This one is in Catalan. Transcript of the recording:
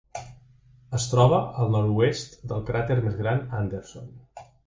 Es troba al nord-oest del cràter més gran Anderson.